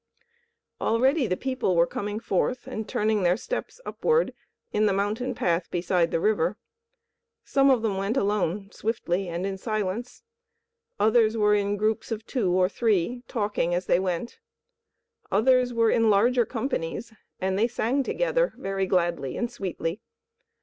Already the people were coming forth and turning their steps upward in the mountain path beside the river. Some of them went alone, swiftly and in silence; others were in groups of two or three, talking as they went; others were in larger companies, and they sang together very gladly and sweetly.